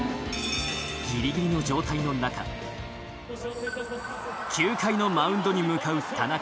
ギリギリの状態の中９回のマウンドに向かう田中。